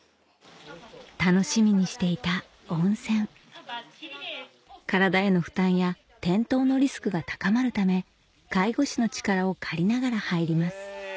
楽しみにしていた温泉体への負担や転倒のリスクが高まるため介護士の力を借りながら入ります